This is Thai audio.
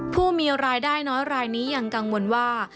ผู้มีรายได้น้อยรายนี้ยังกังวลว่า